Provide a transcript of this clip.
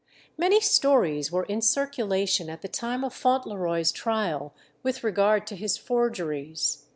Many stories were in circulation at the time of Fauntleroy's trial with regard to his forgeries.